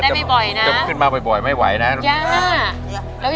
อย่าเพิ่มทางมาได้โลว่าไหน